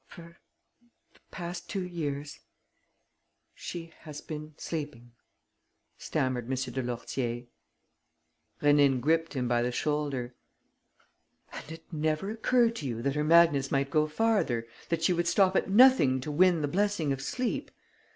"For the past two years, she has been sleeping," stammered M. de Lourtier. Rénine gripped him by the shoulder: "And it never occurred to you that her madness might go farther, that she would stop at nothing to win the blessing of sleep!